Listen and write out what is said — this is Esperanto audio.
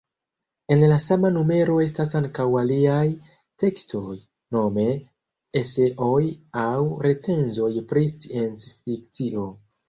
En la sama numero estas ankaŭ aliaj tekstoj, nome eseoj aŭ recenzoj pri sciencfikcio.